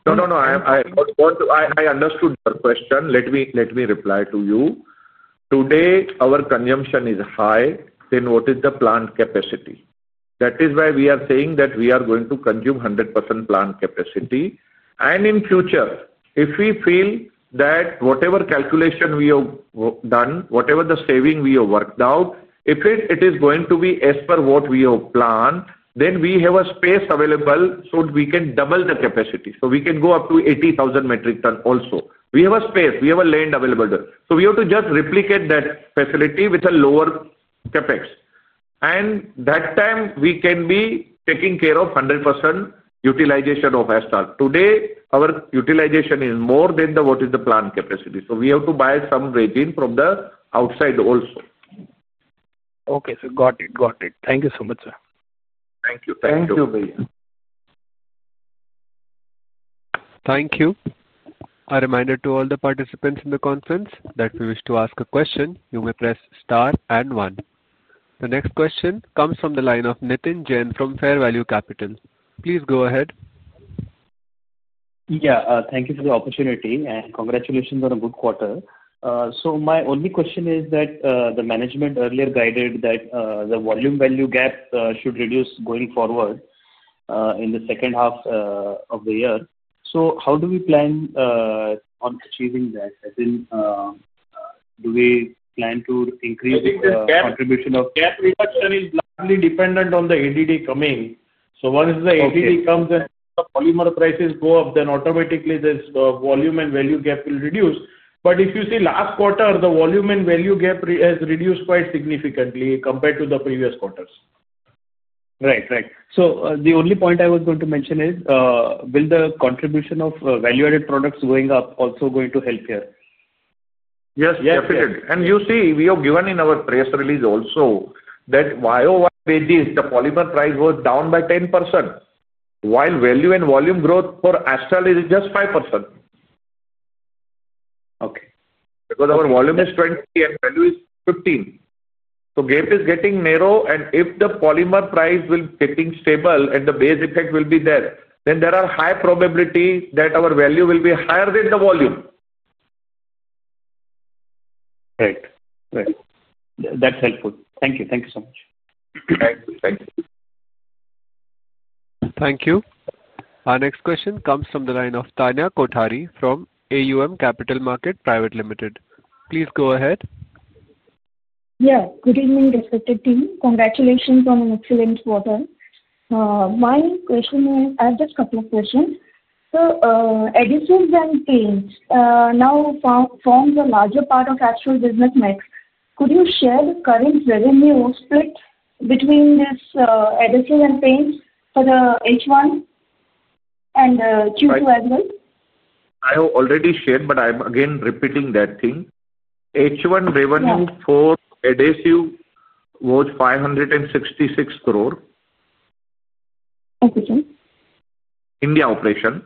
No, no, no. I understood your question. Let me reply to you. Today, our consumption is high. Then what is the plant capacity? That is why we are saying that we are going to consume 100% plant capacity. In future, if we feel that whatever calculation we have done, whatever the saving we have worked out, if it is going to be as per what we have planned, we have a space available so that we can double the capacity. We can go up to 80,000 metric tons also. We have a space. We have a land available. We have to just replicate that facility with a lower CapEx. At that time, we can be taking care of 100% utilization of Astral. Today, our utilization is more than what is the plant capacity. So we have to buy some rating from the outside also. Okay, sir. Got it. Got it. Thank you so much, sir. Thank you. Thank you. Thank you. Thank you. A reminder to all the participants in the conference that if you wish to ask a question, you may press star and one. The next question comes from the line of Nitin Jain from Fair Value Capital. Please go ahead. Yeah. Thank you for the opportunity. Congratulations on a good quarter. My only question is that the management earlier guided that the volume value gap should reduce going forward in the second half of the year. How do we plan on achieving that? Do we plan to increase the contribution of? Cap reduction is largely dependent on the ADD coming. Once the ADD comes and the polymer prices go up, then automatically the volume and value gap will reduce. If you see last quarter, the volume and value gap has reduced quite significantly compared to the previous quarters. Right, right. The only point I was going to mention is, will the contribution of value-added products going up also going to help here? Yes, definitely. You see, we have given in our press release also that year-over-year basis, the polymer price was down by 10%. While value and volume growth for Astral is just 5%. Because our volume is 20 and value is 15. The gap is getting narrow. If the polymer price will be stable and the base effect will be there, then there is a high probability that our value will be higher than the volume. Right. Right. That's helpful. Thank you. Thank you so much. Thank you. Thank you. Our next question comes from the line of Tanya Kothari from AUM Capital Market Private Limited. Please go ahead. Yeah. Good evening, respected team. Congratulations on an excellent quarter. My question is, I have just a couple of questions. So adhesives and paints now form a larger part of Astral business next. Could you share the current revenue split between this adhesives and paints for the H1 and Q2 as well? I have already shared, but I'm again repeating that thing. H1 revenue for Astral was INR 566 crore. India operation.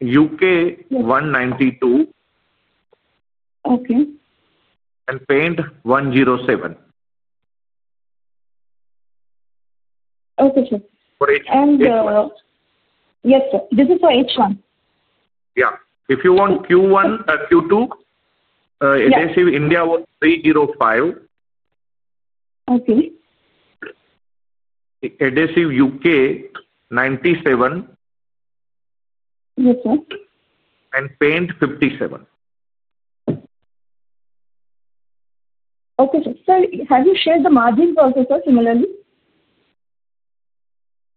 U.K., 192 crore. Okay. Paint, 107 crore. Okay, sir. Yes, sir. This is for H1. Yeah. If you want Q1, Q2. Adhesives, India was 305 crore. Okay. Adhesives, U.K., 97 crore. Yes, sir. Paint, 57 crore. Okay, sir. Sir, have you shared the margin processor similarly?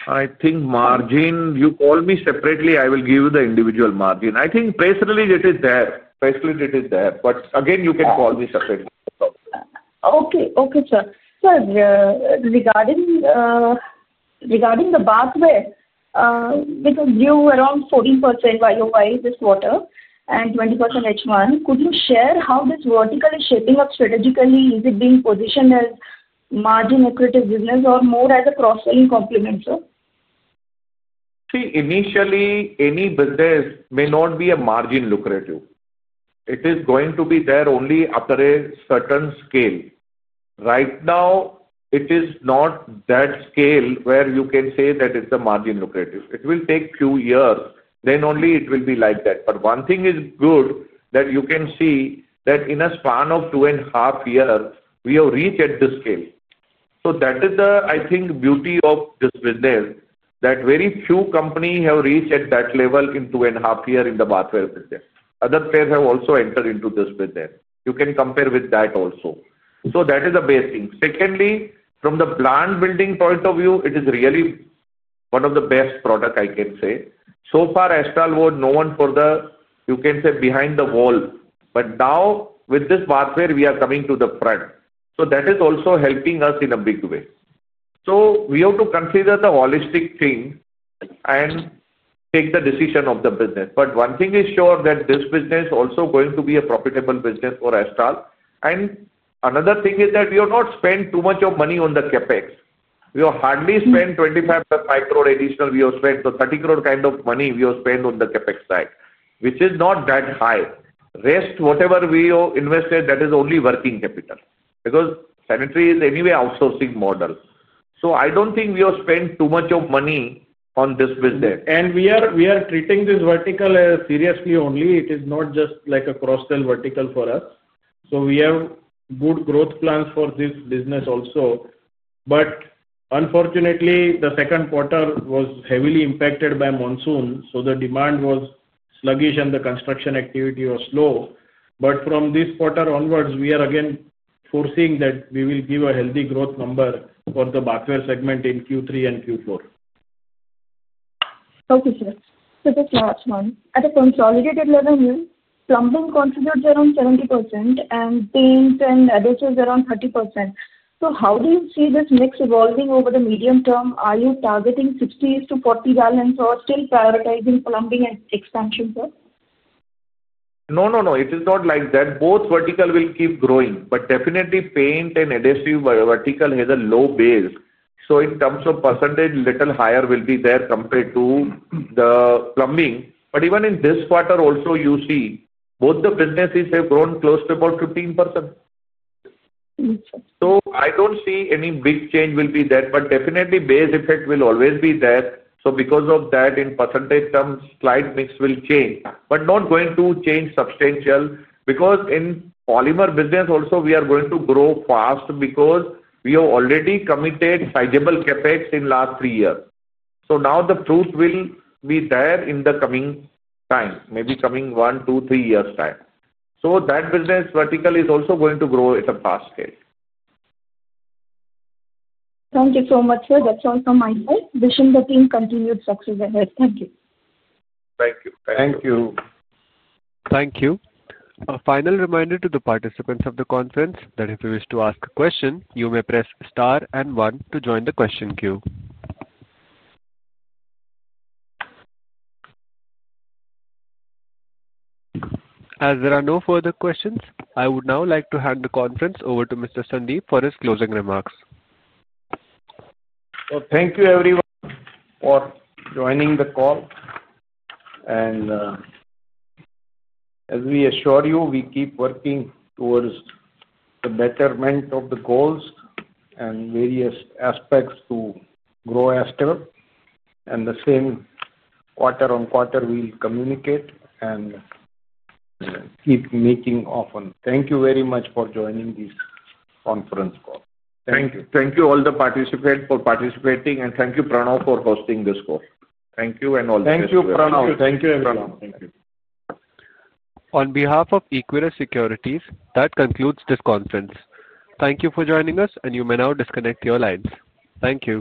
I think margin, you call me separately, I will give you the individual margin. I think press release, it is there. But again, you can call me separately. Okay. Okay, sir. Sir, regarding the bathware, because you were on 14% YoY this quarter and 20% H1, could you share how this vertical is shaping up strategically? Is it being positioned as margin lucrative business or more as a cross-selling complement, sir? See, initially, any business may not be a margin lucrative. It is going to be there only after a certain scale. Right now, it is not that scale where you can say that it's a margin lucrative. It will take a few years. Only then will it be like that. One thing is good that you can see that in a span of two and a half years, we have reached at this scale. That is the, I think, beauty of this business, that very few companies have reached at that level in two and a half years in the bathware business. Other players have also entered into this business. You can compare with that also. That is the best thing. Secondly, from the brand building point of view, it is really one of the best products, I can say. So far, Astral was known for the, you can say, behind the wall. Now, with this bathware, we are coming to the front. That is also helping us in a big way. We have to consider the holistic thing and take the decision of the business. One thing is sure that this business is also going to be a profitable business for Astral. Another thing is that we have not spent too much money on the CapEx. We have hardly spent 25 crore additional. We have spent the 30 crore kind of money we have spent on the CapEx side, which is not that high. Rest, whatever we have invested, that is only working capital. Because sanitary is anyway outsourcing model. I do not think we have spent too much money on this business. We are treating this vertical seriously only. It is not just like a cross-sell vertical for us. We have good growth plans for this business also. Unfortunately, the second quarter was heavily impacted by monsoon. The demand was sluggish and the construction activity was slow. From this quarter onwards, we are again foreseeing that we will give a healthy growth number for the bathware segment in Q3 and Q4. Okay, sir. Just last one. At the consolidated revenue, plumbing contributes around 70% and Paints and Adhesives around 30%. How do you see this mix evolving over the medium term? Are you targeting 60/40 balance or still prioritizing plumbing and expansion, sir? No, no, no. It is not like that. Both verticals will keep growing. But definitely, Paint and Adhesives vertical has a low base. So in terms of percentage, a little higher will be there compared to the plumbing. But even in this quarter also, you see both the businesses have grown close to about 15%. Yes, sir. I do not see any big change will be there. But definitely, base effect will always be there. So because of that, in percentage terms, slight mix will change. But not going to change substantial. Because in polymer business also, we are going to grow fast because we have already committed sizable CapEx in the last three years. Now the truth will be there in the coming time, maybe coming one, two, three years' time. That business vertical is also going to grow at a fast pace. Thank you so much, sir. That's all from my side. Wishing the team continued success ahead. Thank you. Thank you. Thank you. Thank you. A final reminder to the participants of the conference that if you wish to ask a question, you may press star and one to join the question queue. As there are no further questions, I would now like to hand the conference over to Mr. Sandeep for his closing remarks. Thank you, everyone, for joining the call. As we assure you, we keep working towards the betterment of the goals and various aspects to grow Astral. The same quarter on quarter, we will communicate and keep meeting often. Thank you very much for joining this conference call. Thank you. Thank you all for participating. Thank you, Pranav, for hosting this call. Thank you and all the best. Thank you, Pranav. Thank you, everyone. Thank you. On behalf of Equirus Securities, that concludes this conference. Thank you for joining us, and you may now disconnect your lines. Thank you.